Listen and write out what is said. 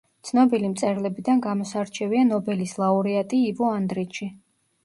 ცნობილი მწერლებიდან გამოსარჩევია ნობელის ლაურეატი ივო ანდრიჩი.